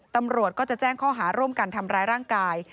ตำรวจก็จะแจ้งข้อหาร่วมกันทำร้ายร่างกาย